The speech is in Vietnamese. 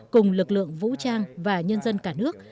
cùng lực lượng vũ trang và nhân dân cả nước